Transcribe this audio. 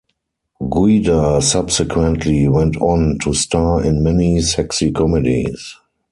Guida subsequently went on to star in many sexy comedies.